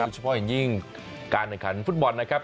เฉพาะอย่างยิ่งการแข่งขันฟุตบอลนะครับ